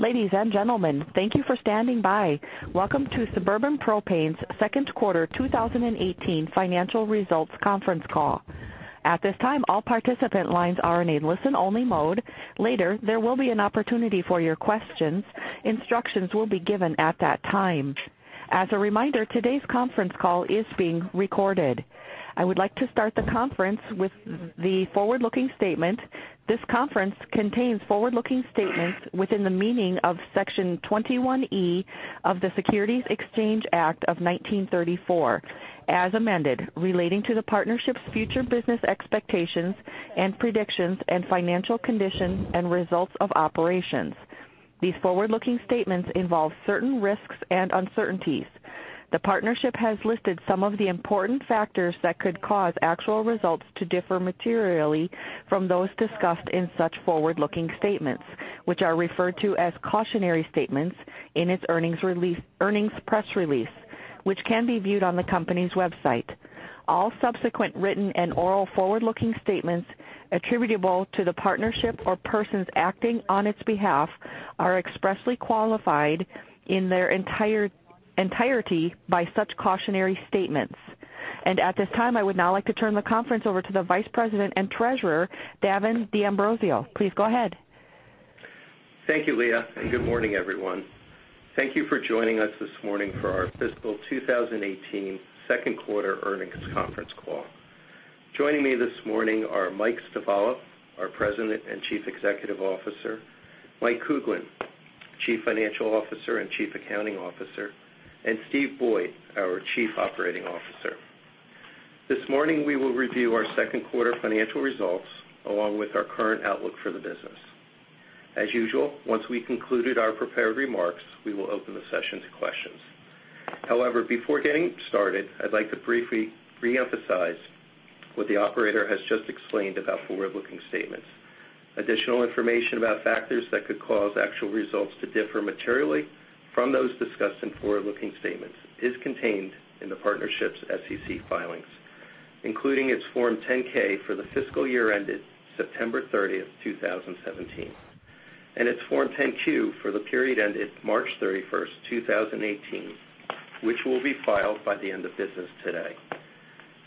Ladies and gentlemen, thank you for standing by. Welcome to Suburban Propane's second quarter 2018 financial results conference call. At this time, all participant lines are in a listen-only mode. Later, there will be an opportunity for your questions. Instructions will be given at that time. As a reminder, today's conference call is being recorded. I would like to start the conference with the forward-looking statement. This conference contains forward-looking statements within the meaning of Section 21E of the Securities Exchange Act of 1934, as amended, relating to the partnership's future business expectations and predictions and financial condition and results of operations. These forward-looking statements involve certain risks and uncertainties. The partnership has listed some of the important factors that could cause actual results to differ materially from those discussed in such forward-looking statements, which are referred to as cautionary statements in its earnings press release, which can be viewed on the company's website. All subsequent written and oral forward-looking statements attributable to the partnership or persons acting on its behalf are expressly qualified in their entirety by such cautionary statements. At this time, I would now like to turn the conference over to the Vice President and Treasurer, Davin D'Ambrosio. Please go ahead. Thank you, Leah, and good morning, everyone. Thank you for joining us this morning for our fiscal 2018 second quarter earnings conference call. Joining me this morning are Mike Stivala, our President and Chief Executive Officer; Mike Kuglin, Chief Financial Officer and Chief Accounting Officer; and Steve Boyd, our Chief Operating Officer. This morning, we will review our second quarter financial results, along with our current outlook for the business. As usual, once we concluded our prepared remarks, we will open the session to questions. Before getting started, I'd like to briefly re-emphasize what the operator has just explained about forward-looking statements. Additional information about factors that could cause actual results to differ materially from those discussed in forward-looking statements is contained in the partnership's SEC filings, including its Form 10-K for the fiscal year ended September 30th, 2017, and its Form 10-Q for the period ended March 31st, 2018, which will be filed by the end of business today.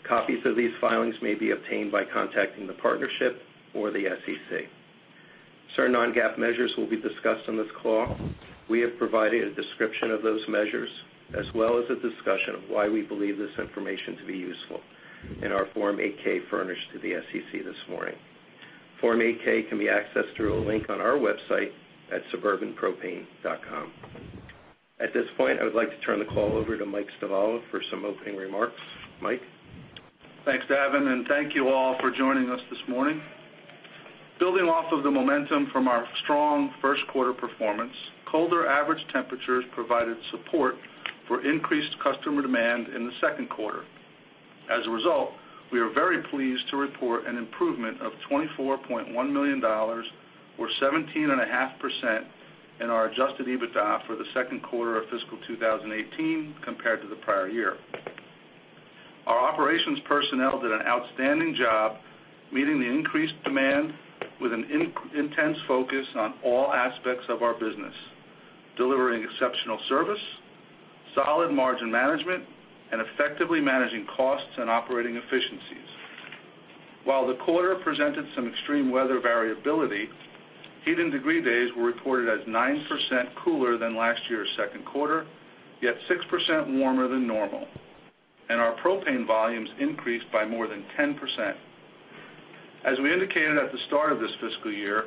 Copies of these filings may be obtained by contacting the partnership or the SEC. Certain non-GAAP measures will be discussed on this call. We have provided a description of those measures, as well as a discussion of why we believe this information to be useful in our Form 8-K furnished to the SEC this morning. Form 8-K can be accessed through a link on our website at suburbanpropane.com. At this point, I would like to turn the call over to Mike Stivala for some opening remarks. Mike? Thanks, Davin, thank you all for joining us this morning. Building off of the momentum from our strong first quarter performance, colder average temperatures provided support for increased customer demand in the second quarter. As a result, we are very pleased to report an improvement of $24.1 million, or 17.5% in our adjusted EBITDA for the second quarter of fiscal 2018 compared to the prior year. Our operations personnel did an outstanding job meeting the increased demand with an intense focus on all aspects of our business, delivering exceptional service, solid margin management, and effectively managing costs and operating efficiencies. While the quarter presented some extreme weather variability, heating degree days were reported as 9% cooler than last year's second quarter, yet 6% warmer than normal, our propane volumes increased by more than 10%. As we indicated at the start of this fiscal year,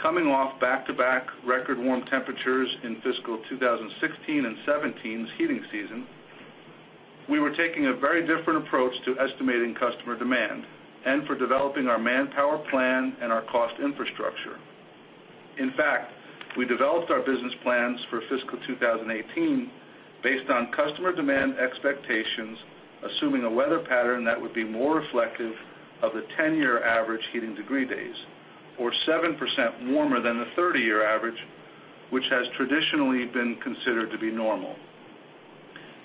coming off back-to-back record warm temperatures in fiscal 2016 and 2017's heating season, we were taking a very different approach to estimating customer demand for developing our manpower plan and our cost infrastructure. In fact, we developed our business plans for fiscal 2018 based on customer demand expectations, assuming a weather pattern that would be more reflective of the 10-year average heating degree days or 7% warmer than the 30-year average, which has traditionally been considered to be normal.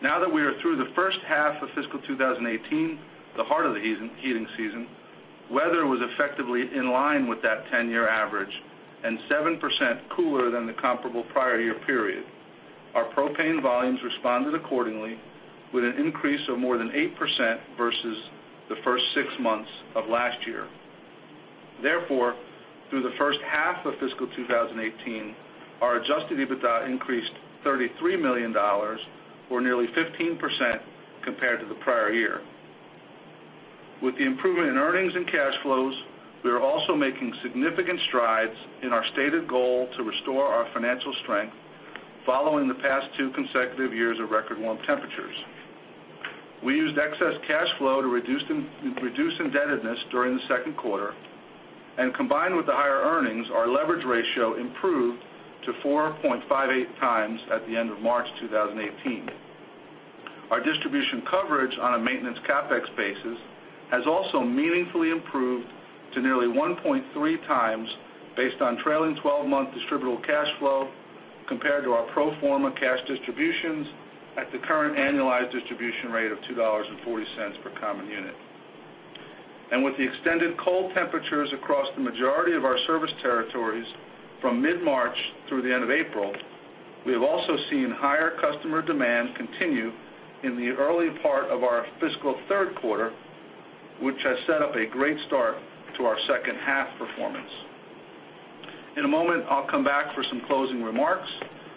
Now that we are through the first half of fiscal 2018, the heart of the heating season, weather was effectively in line with that 10-year average and 7% cooler than the comparable prior year period. Our propane volumes responded accordingly with an increase of more than 8% versus the first six months of last year. Through the first half of fiscal 2018, our adjusted EBITDA increased $33 million, or nearly 15% compared to the prior year. With the improvement in earnings and cash flows, we are also making significant strides in our stated goal to restore our financial strength following the past two consecutive years of record warm temperatures. We used excess cash flow to reduce indebtedness during the second quarter, combined with the higher earnings, our leverage ratio improved to 4.58 times at the end of March 2018. Our distribution coverage on a maintenance CapEx basis has also meaningfully improved to nearly 1.3 times based on trailing 12-month distributable cash flow compared to our pro forma cash distributions at the current annualized distribution rate of $2.40 per common unit. With the extended cold temperatures across the majority of our service territories from mid-March through the end of April, we have also seen higher customer demand continue in the early part of our fiscal third quarter, which has set up a great start to our second half performance. In a moment, I'll come back for some closing remarks.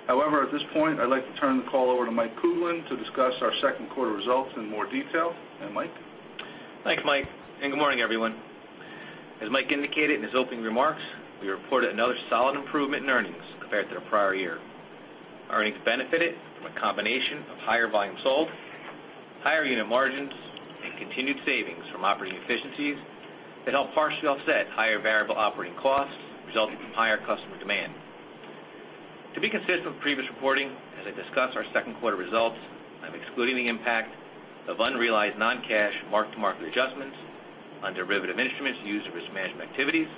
At this point, I'd like to turn the call over to Mike Kuglin to discuss our second quarter results in more detail. Mike? Thanks, Mike, good morning, everyone. As Mike indicated in his opening remarks, we reported another solid improvement in earnings compared to the prior year. Earnings benefited from a combination of higher volume sold, higher unit margins, and continued savings from operating efficiencies that helped partially offset higher variable operating costs resulting from higher customer demand. To be consistent with previous reporting, as I discuss our second quarter results, I'm excluding the impact of unrealized non-cash mark-to-market adjustments on derivative instruments used in risk management activities,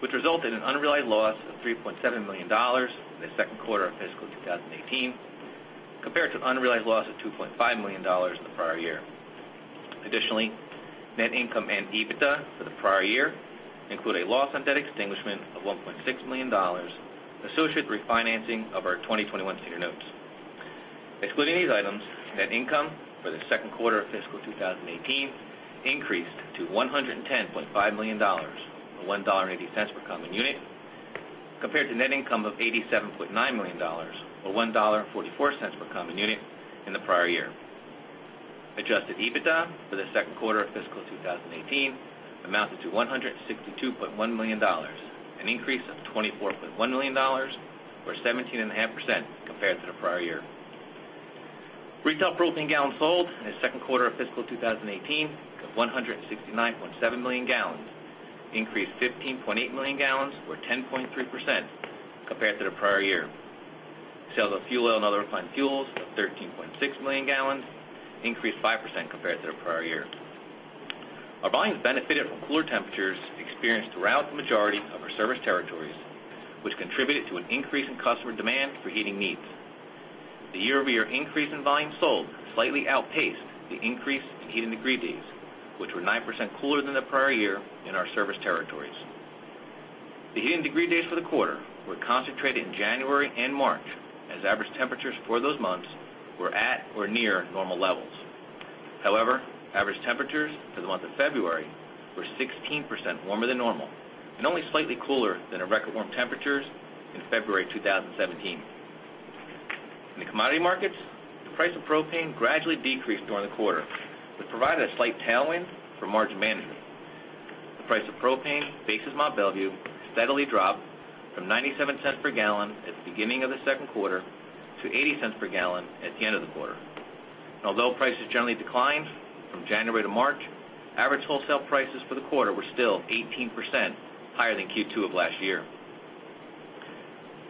which result in an unrealized loss of $3.7 million in the second quarter of fiscal 2018, compared to an unrealized loss of $2.5 million in the prior year. Additionally, net income and EBITDA for the prior year include a loss on debt extinguishment of $1.6 million associated with refinancing of our 2021 senior notes. Excluding these items, net income for the second quarter of fiscal 2018 increased to $110.5 million, or $1.80 per common unit, compared to net income of $87.9 million, or $1.44 per common unit in the prior year. Adjusted EBITDA for the second quarter of fiscal 2018 amounted to $162.1 million, an increase of $24.1 million or 17.5% compared to the prior year. Retail propane gallons sold in the second quarter of fiscal 2018 of 169.7 million gallons, increased 15.8 million gallons or 10.3% compared to the prior year. Sales of fuel oil and other refined fuels of 13.6 million gallons increased 5% compared to the prior year. Our volumes benefited from cooler temperatures experienced throughout the majority of our service territories, which contributed to an increase in customer demand for heating needs. The year-over-year increase in volume sold slightly outpaced the increase in heating degree days, which were 9% cooler than the prior year in our service territories. The heating degree days for the quarter were concentrated in January and March, as average temperatures for those months were at or near normal levels. However, average temperatures for the month of February were 16% warmer than normal and only slightly cooler than the record warm temperatures in February 2017. In the commodity markets, the price of propane gradually decreased during the quarter, which provided a slight tailwind for margin management. The price of propane, basis Mont Belvieu, steadily dropped from $0.97 per gallon at the beginning of the second quarter to $0.80 per gallon at the end of the quarter. Although prices generally declined from January to March, average wholesale prices for the quarter were still 18% higher than Q2 of last year.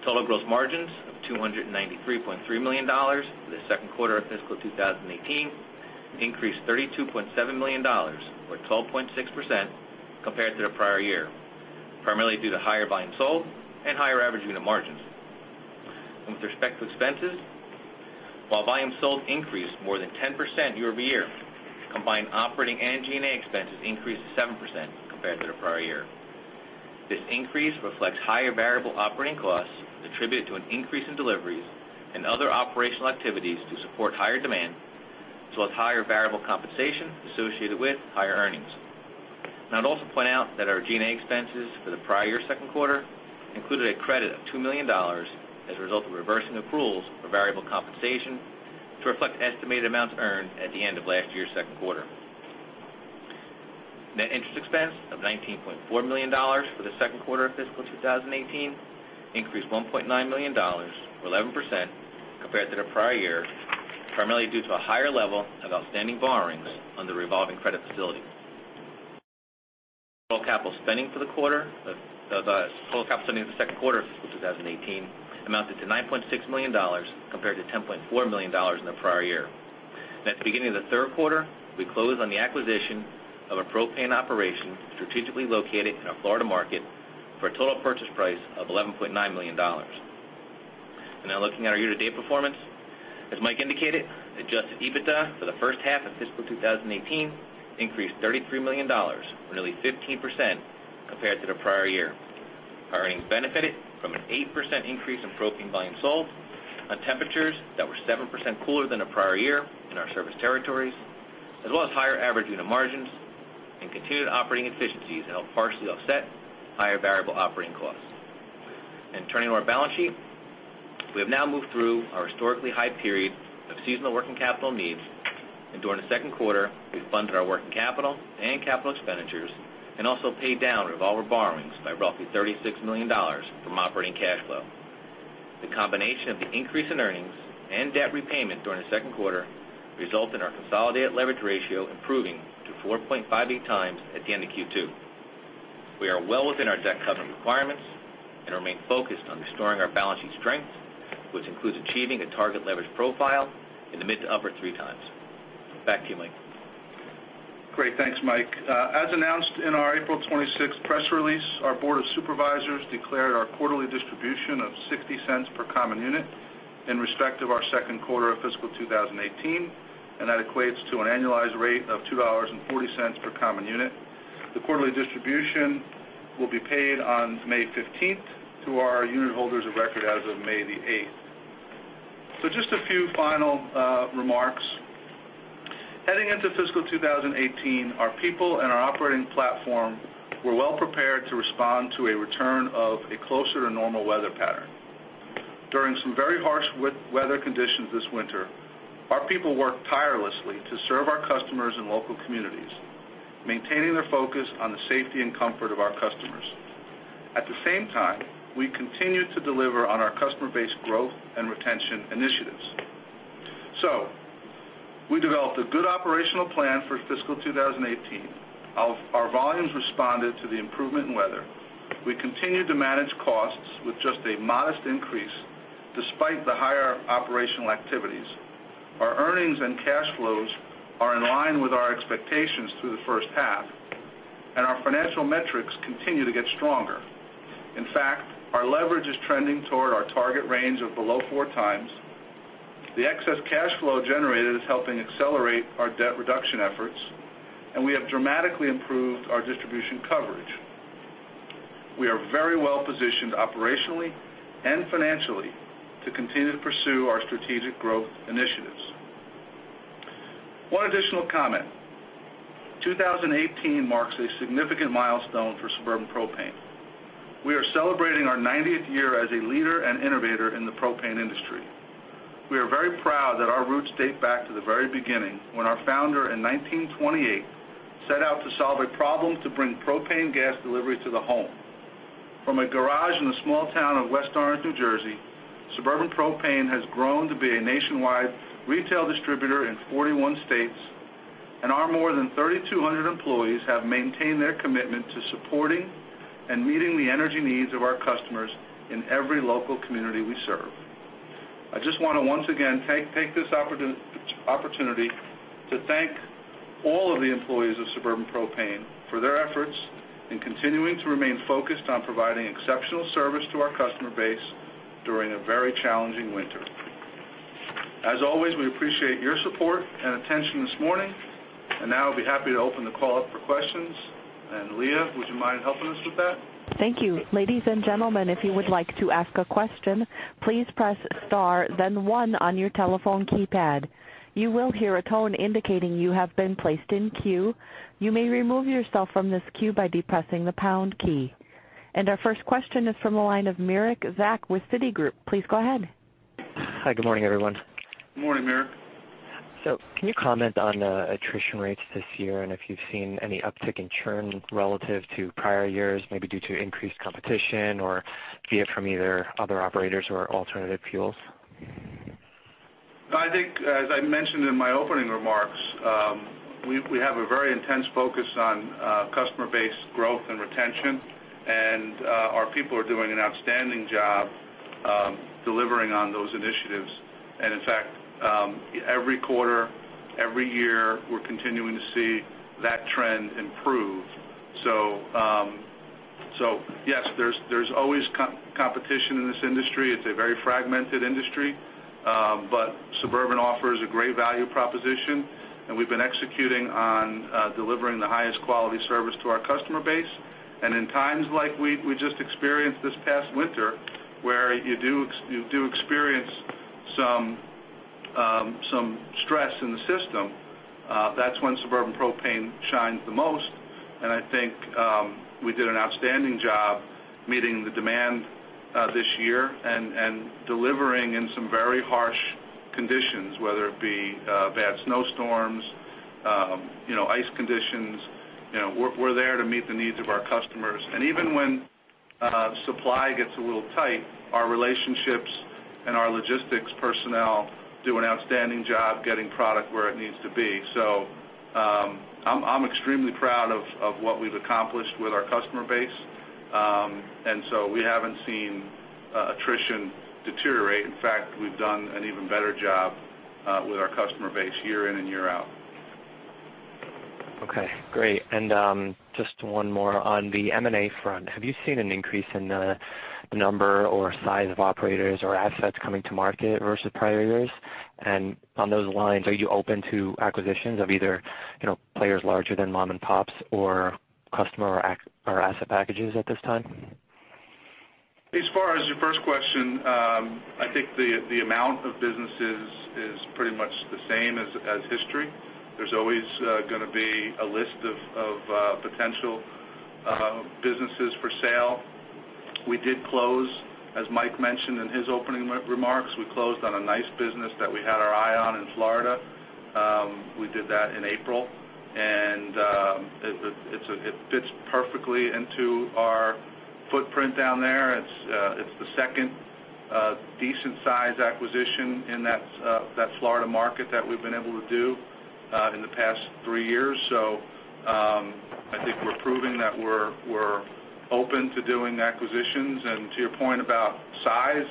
Total gross margins of $293.3 million for the second quarter of fiscal 2018 increased $32.7 million or 12.6% compared to the prior year, primarily due to the higher volume sold and higher average unit margins. With respect to expenses, while volume sold increased more than 10% year-over-year, combined operating and G&A expenses increased 7% compared to the prior year. This increase reflects higher variable operating costs attributable to an increase in deliveries and other operational activities to support higher demand, as well as higher variable compensation associated with higher earnings. I'd also point out that our G&A expenses for the prior year second quarter included a credit of $2 million as a result of reversing accruals for variable compensation to reflect estimated amounts earned at the end of last year's second quarter. Net interest expense of $19.4 million for the second quarter of fiscal 2018 increased $1.9 million or 11% compared to the prior year, primarily due to a higher level of outstanding borrowings under revolving credit facilities. Total capital spending of the second quarter of fiscal 2018 amounted to $9.6 million compared to $10.4 million in the prior year. At the beginning of the third quarter, we closed on the acquisition of a propane operation strategically located in our Florida market for a total purchase price of $11.9 million. Now looking at our year-to-date performance, as Mike indicated, adjusted EBITDA for the first half of fiscal 2018 increased $33 million or nearly 15% compared to the prior year. Our earnings benefited from an 8% increase in propane volume sold on temperatures that were 7% cooler than the prior year in our service territories, as well as higher average unit margins and continued operating efficiencies that helped partially offset higher variable operating costs. Turning to our balance sheet, we have now moved through our historically high period of seasonal working capital needs. During the second quarter, we funded our working capital and capital expenditures and also paid down revolver borrowings by roughly $36 million from operating cash flow. The combination of the increase in earnings and debt repayment during the second quarter result in our consolidated leverage ratio improving to 4.58 times at the end of Q2. We are well within our debt covenant requirements and remain focused on restoring our balance sheet strength, which includes achieving a target leverage profile in the mid to upper three times. Back to you, Mike. Great. Thanks, Mike. As announced in our April 26th press release, our board of supervisors declared our quarterly distribution of $0.60 per common unit. In respect of our second quarter of fiscal 2018, that equates to an annualized rate of $2.40 per common unit. The quarterly distribution will be paid on May 15th to our unit holders of record as of May the 8th. Just a few final remarks. Heading into fiscal 2018, our people and our operating platform were well prepared to respond to a return of a closer to normal weather pattern. During some very harsh weather conditions this winter, our people worked tirelessly to serve our customers and local communities, maintaining their focus on the safety and comfort of our customers. At the same time, we continued to deliver on our customer base growth and retention initiatives. We developed a good operational plan for fiscal 2018. Our volumes responded to the improvement in weather. We continued to manage costs with just a modest increase despite the higher operational activities. Our earnings and cash flows are in line with our expectations through the first half, and our financial metrics continue to get stronger. In fact, our leverage is trending toward our target range of below four times. The excess cash flow generated is helping accelerate our debt reduction efforts, and we have dramatically improved our distribution coverage. We are very well positioned operationally and financially to continue to pursue our strategic growth initiatives. One additional comment. 2018 marks a significant milestone for Suburban Propane. We are celebrating our 90th year as a leader and innovator in the propane industry. We are very proud that our roots date back to the very beginning, when our founder in 1928 set out to solve a problem to bring propane gas delivery to the home. From a garage in the small town of West Orange, New Jersey, Suburban Propane has grown to be a nationwide retail distributor in 41 states, and our more than 3,200 employees have maintained their commitment to supporting and meeting the energy needs of our customers in every local community we serve. I just want to once again, take this opportunity to thank all of the employees of Suburban Propane for their efforts in continuing to remain focused on providing exceptional service to our customer base during a very challenging winter. As always, we appreciate your support and attention this morning. Now I'll be happy to open the call up for questions. Leah, would you mind helping us with that? Thank you. Ladies and gentlemen, if you would like to ask a question, please press star then one on your telephone keypad. You will hear a tone indicating you have been placed in queue. You may remove yourself from this queue by depressing the pound key. Our first question is from the line of Merrick Zack with Citigroup. Please go ahead. Hi. Good morning, everyone. Good morning, Merrick. Can you comment on the attrition rates this year and if you've seen any uptick in churn relative to prior years, maybe due to increased competition or be it from either other operators or alternative fuels? I think, as I mentioned in my opening remarks, we have a very intense focus on customer base growth and retention. Our people are doing an outstanding job delivering on those initiatives. In fact, every quarter, every year, we're continuing to see that trend improve. Yes, there's always competition in this industry. It's a very fragmented industry. Suburban offers a great value proposition, and we've been executing on delivering the highest quality service to our customer base. In times like we just experienced this past winter, where you do experience some stress in the system, that's when Suburban Propane shines the most. I think we did an outstanding job meeting the demand this year and delivering in some very harsh conditions, whether it be bad snowstorms, ice conditions. We're there to meet the needs of our customers. Even when supply gets a little tight, our relationships and our logistics personnel do an outstanding job getting product where it needs to be. I'm extremely proud of what we've accomplished with our customer base. We haven't seen attrition deteriorate. In fact, we've done an even better job with our customer base year in and year out. Okay, great. Just one more on the M&A front. Have you seen an increase in the number or size of operators or assets coming to market versus prior years? On those lines, are you open to acquisitions of either players larger than mom and pops or customer or asset packages at this time? As far as your first question, I think the amount of businesses is pretty much the same as history. There's always going to be a list of potential businesses for sale. We did close, as Mike mentioned in his opening remarks, we closed on a nice business that we had our eye on in Florida. We did that in April, and it fits perfectly into our footprint down there. It's the second decent size acquisition in that Florida market that we've been able to do in the past three years. I think we're proving that we're open to doing acquisitions. To your point about size,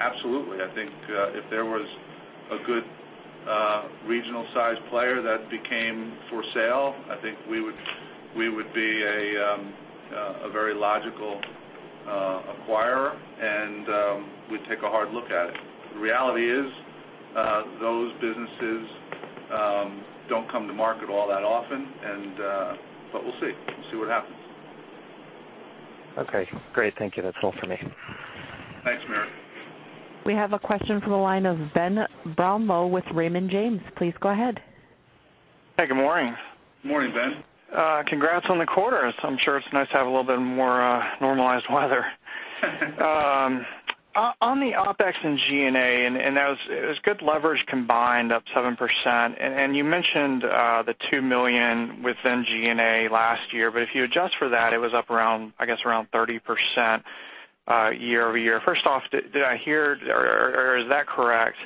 absolutely. I think if there was a good A regional-sized player that became for sale, I think we would be a very logical acquirer, and we'd take a hard look at it. The reality is those businesses don't come to market all that often. We'll see. We'll see what happens. Okay, great. Thank you. That's all for me. Thanks, Merrick. We have a question from the line of Ben Ballow with Raymond James. Please go ahead. Hey, good morning. Morning, Ben. Congrats on the quarter. I'm sure it's nice to have a little bit more normalized weather. On the OpEx and G&A, it was good leverage combined up 7%. You mentioned the $2 million within G&A last year, but if you adjust for that, it was up around 30% year-over-year. First off, did I hear, or is that correct?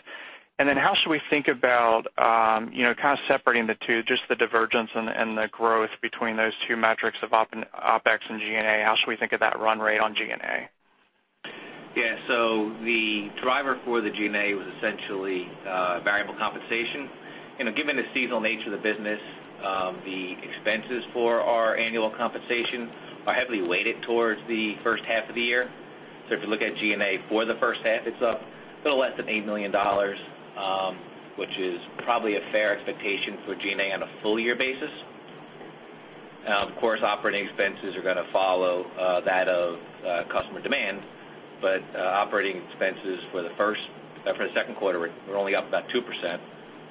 How should we think about kind of separating the two, just the divergence and the growth between those two metrics of OpEx and G&A? How should we think of that run rate on G&A? The driver for the G&A was essentially variable compensation. Given the seasonal nature of the business, the expenses for our annual compensation are heavily weighted towards the first half of the year. If you look at G&A for the first half, it's up a little less than $8 million, which is probably a fair expectation for G&A on a full year basis. Of course, operating expenses are going to follow that of customer demand, but operating expenses for the second quarter were only up about 2%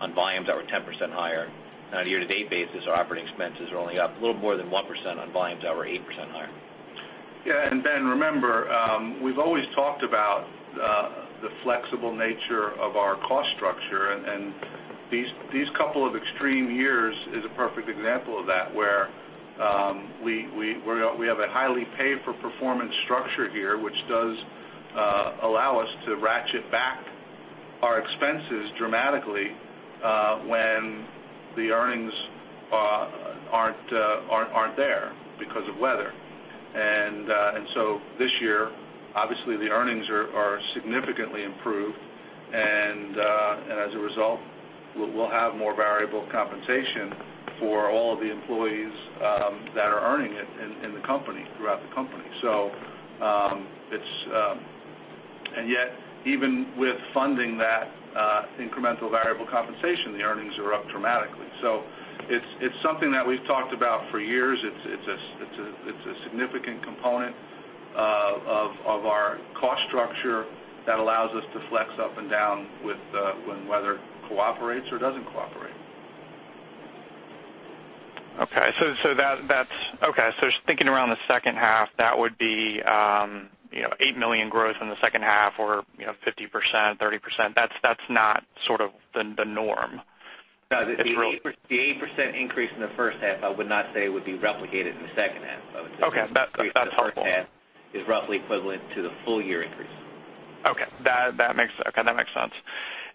on volumes that were 10% higher. On a year-to-date basis, our operating expenses are only up a little more than 1% on volumes that were 8% higher. Ben, remember, we've always talked about the flexible nature of our cost structure, and these couple of extreme years is a perfect example of that, where we have a highly pay-for-performance structure here, which does allow us to ratchet back our expenses dramatically when the earnings aren't there because of weather. This year, obviously, the earnings are significantly improved. As a result, we'll have more variable compensation for all of the employees that are earning it throughout the company. Even with funding that incremental variable compensation, the earnings are up dramatically. It's something that we've talked about for years. It's a significant component of our cost structure that allows us to flex up and down when weather cooperates or doesn't cooperate. Okay. Just thinking around the second half, that would be $8 million growth in the second half or 50%, 30%. That's not sort of the norm. No. The 8% increase in the first half, I would not say would be replicated in the second half, I would say- Okay. That's helpful. I would say the first half is roughly equivalent to the full year increase. Okay. That makes sense.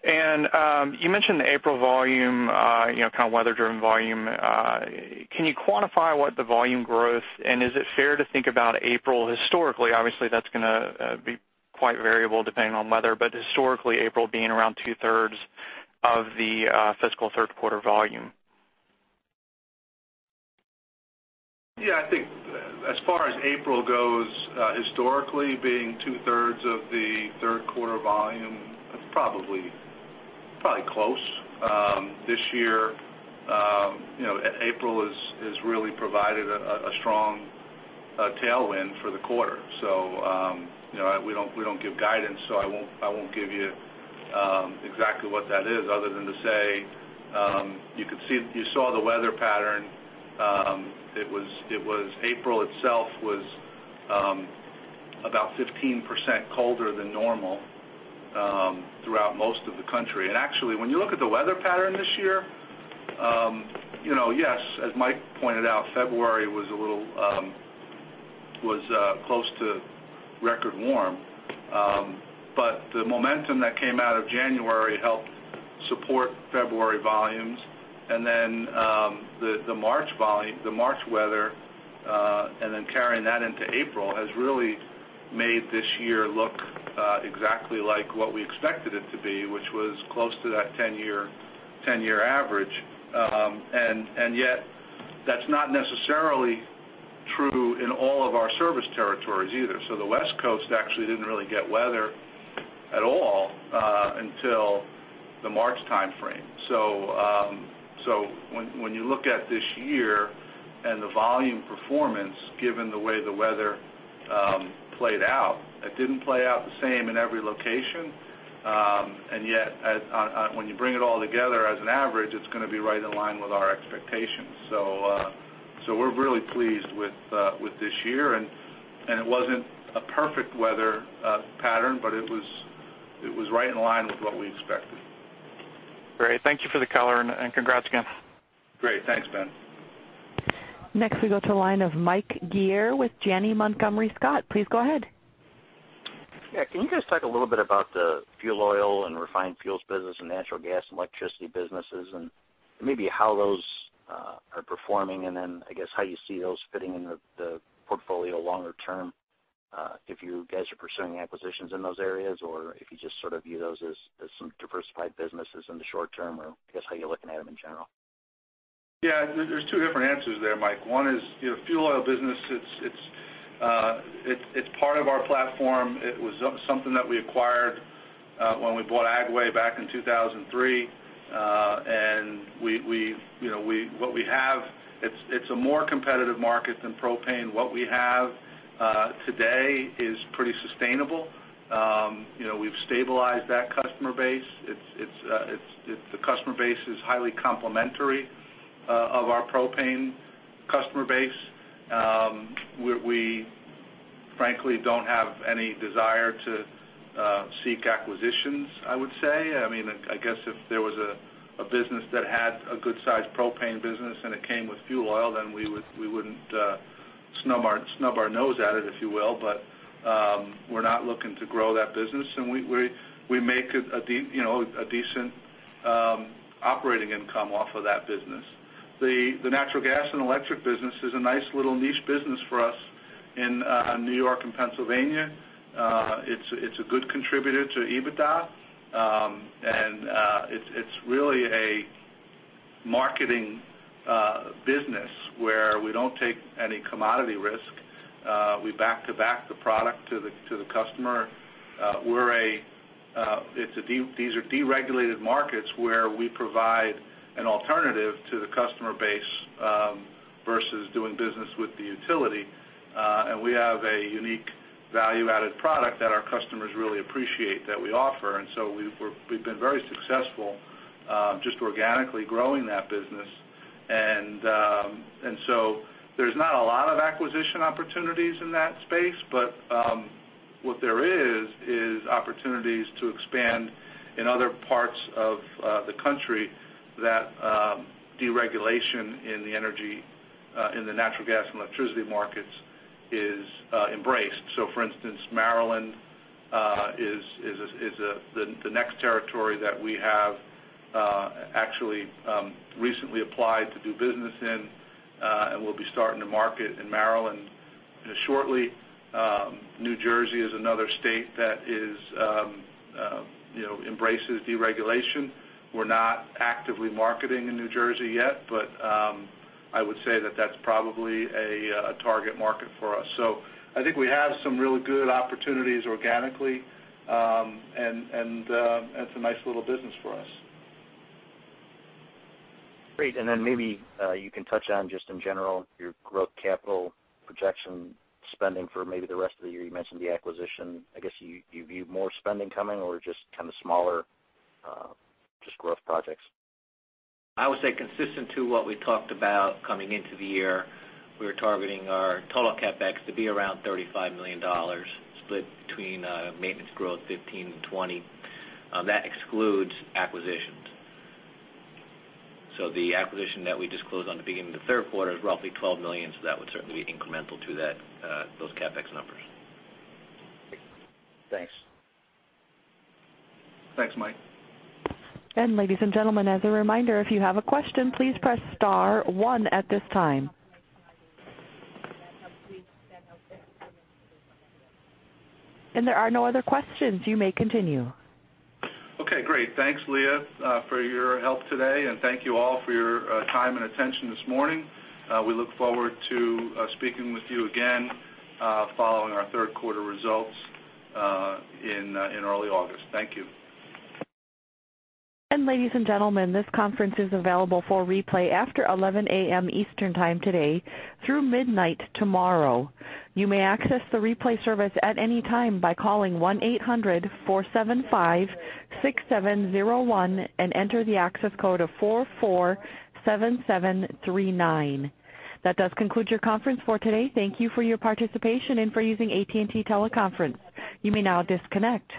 You mentioned the April volume, kind of weather-driven volume. Can you quantify what the volume growth, and is it fair to think about April historically? Obviously, that's going to be quite variable depending on weather, but historically, April being around two-thirds of the fiscal third quarter volume. Yeah. I think as far as April goes, historically being two-thirds of the third quarter volume, probably close. This year, April has really provided a strong tailwind for the quarter. We don't give guidance, so I won't give you exactly what that is other than to say you saw the weather pattern. April itself was about 15% colder than normal throughout most of the country. Actually, when you look at the weather pattern this year, yes, as Mike pointed out, February was close to record warm. The momentum that came out of January helped support February volumes, then the March weather, then carrying that into April, has really made this year look exactly like what we expected it to be, which was close to that 10-year average. Yet that's not necessarily true in all of our service territories either. The West Coast actually didn't really get weather at all until the March timeframe. When you look at this year and the volume performance given the way the weather played out, it didn't play out the same in every location. Yet, when you bring it all together as an average, it's going to be right in line with our expectations. We're really pleased with this year, and it wasn't a perfect weather pattern, but it was right in line with what we expected. Great. Thank you for the color, and congrats again. Great. Thanks, Ben. Next, we go to the line of Michael Gaugler with Janney Montgomery Scott. Please go ahead. Yeah. Can you guys talk a little bit about the fuel oil and refined fuels business and natural gas and electricity businesses, and maybe how those are performing, and then, I guess how you see those fitting in the portfolio longer term? If you guys are pursuing acquisitions in those areas, or if you just view those as some diversified businesses in the short term, or I guess how you're looking at them in general? Yeah. There's two different answers there, Mike. One is, fuel oil business, it's part of our platform. It was something that we acquired when we bought Agway back in 2003. It's a more competitive market than propane. What we have today is pretty sustainable. We've stabilized that customer base. The customer base is highly complementary of our propane customer base. We frankly don't have any desire to seek acquisitions, I would say. I guess if there was a business that had a good size propane business and it came with fuel oil, then we wouldn't snub our nose at it, if you will. But we're not looking to grow that business, and we make a decent operating income off of that business. The natural gas and electric business is a nice little niche business for us in New York and Pennsylvania. It's a good contributor to EBITDA. It's really a marketing business where we don't take any commodity risk. We back-to-back the product to the customer. These are deregulated markets where we provide an alternative to the customer base versus doing business with the utility. We have a unique value-added product that our customers really appreciate that we offer. We've been very successful just organically growing that business. There's not a lot of acquisition opportunities in that space, but what there is opportunities to expand in other parts of the country that deregulation in the natural gas and electricity markets is embraced. For instance, Maryland is the next territory that we have actually recently applied to do business in, and we'll be starting to market in Maryland shortly. New Jersey is another state that embraces deregulation. We're not actively marketing in New Jersey yet, but I would say that that's probably a target market for us. I think we have some really good opportunities organically. It's a nice little business for us. Great. Maybe you can touch on, just in general, your growth capital projection spending for maybe the rest of the year. You mentioned the acquisition. I guess you view more spending coming or just kind of smaller just growth projects? I would say consistent to what we talked about coming into the year. We were targeting our total CapEx to be around $35 million, split between maintenance growth 15 and 20. That excludes acquisitions. The acquisition that we disclosed on the beginning of the third quarter is roughly $12 million. That would certainly be incremental to those CapEx numbers. Thanks. Thanks, Mike. Ladies and gentlemen, as a reminder, if you have a question, please press star one at this time. There are no other questions. You may continue. Okay, great. Thanks, Leah, for your help today, and thank you all for your time and attention this morning. We look forward to speaking with you again following our third quarter results in early August. Thank you. Ladies and gentlemen, this conference is available for replay after 11:00 A.M. Eastern Time today through midnight tomorrow. You may access the replay service at any time by calling 1-800-475-6701 and enter the access code of 447739. That does conclude your conference for today. Thank you for your participation and for using AT&T TeleConference. You may now disconnect.